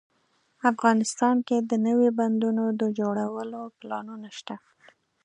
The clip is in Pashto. افغانستان کې د نوي بندونو د جوړولو پلانونه شته